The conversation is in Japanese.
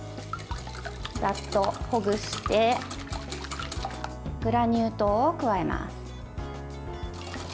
ざっとほぐしてグラニュー糖を加えます。